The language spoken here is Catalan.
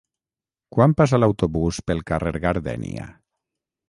Quan passa l'autobús pel carrer Gardènia?